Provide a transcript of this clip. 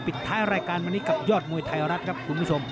ปิดท้ายรายการวันนี้กับยอดมวยไทยรัฐครับคุณผู้ชม